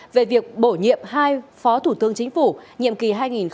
về việc bổ nhiệm hai phó thủ tướng chính phủ nhiệm kỳ hai nghìn hai mươi một hai nghìn hai mươi sáu